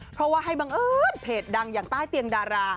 เพราะว่าให้บังเอิญเพจดังอย่างใต้เตียงดารา